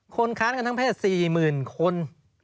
คนค้านกันทั้งแพทย์๔๐๐๐๐คน